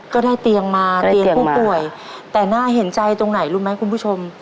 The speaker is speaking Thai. ก็ได้เตียงมาเตียงผู้ป่วยแต่น่าเห็นใจตรงไหนรู้ไหมคุณผู้ชม